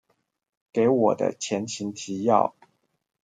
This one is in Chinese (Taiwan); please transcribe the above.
給我的前情提要